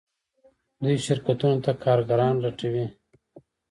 دوی شرکتونو ته کارګران لټوي.